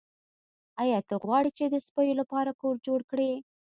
ایا ته غواړې چې د سپیو لپاره کور جوړ کړې